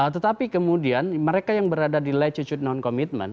tetapi kemudian mereka yang berada di letitude non commitment